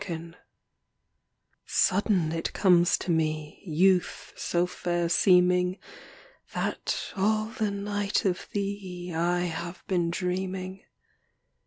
372 THE GEEMAN CLASSICS Sudden it comes to me, Youth so fair seeming, That all the night of thee I have been dreaming.